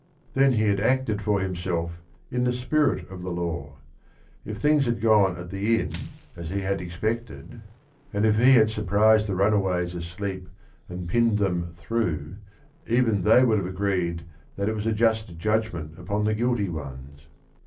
Then he had acted for himself in the spirit of the law. If things had gone at the inn, as he had expected, GUIDO 183 and if he had surprised the runaways asleep and pinned them through, even they would have agreed that it was a just judgment upon the guilty ones.